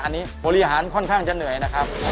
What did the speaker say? อันนี้บริหารค่อนข้างจะเหนื่อยนะครับ